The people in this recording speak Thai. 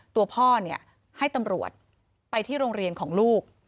ตัวพ่อให้ตำรวจไปที่โรงเรียนของลูก